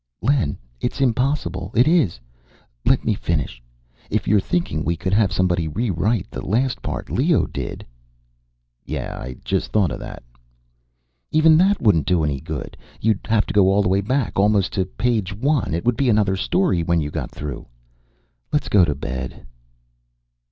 "Len, it's impossible. It is! Let me finish if you're thinking we could have somebody rewrite the last part Leo did " "Yeah, I just thought of that." " even that wouldn't do any good. You'd have to go all the way back, almost to page one. It would be another story when you got through. Let's go to bed."